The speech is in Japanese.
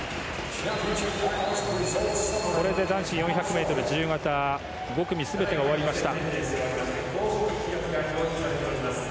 これで男子４００ｍ自由形５組全てが終わりました。